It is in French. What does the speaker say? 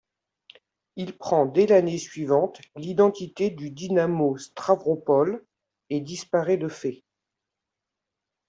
Il prend dès l'année suivante l'identité du Dinamo Stavropol et disparaît de fait.